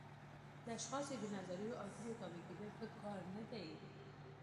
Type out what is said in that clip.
د اشخاصو د نظریو او هیلو تابع کېدل ښه کار نه دی.